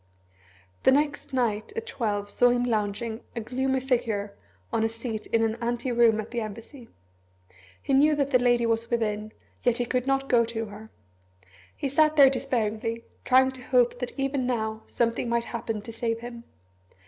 The next night at twelve saw him lounging, a gloomy figure, on a seat in an ante room at the Embassy. He knew that the Lady was within, yet he could not go to her. He sat there despairingly, trying to hope that even now something might happen to save him.